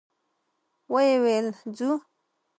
ويې ويل: ځو؟